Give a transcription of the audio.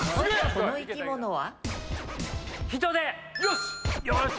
この生き物は？